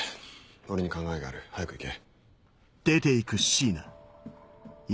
俺に考えがある早く行け。